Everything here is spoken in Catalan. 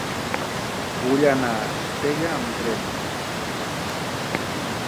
Vull anar a Cistella amb tren.